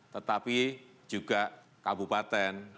tetapi juga kabupaten